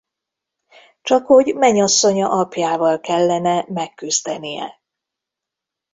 Csakhogy menyasszonya apjával kellene megküzdenie.